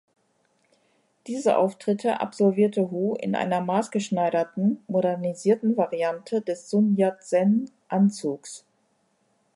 Diese Auftritte absolvierte Hu in einer maßgeschneiderten, modernisierten Variante des Sun-Yat-sen-Anzugs.